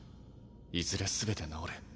いずれ全て直る。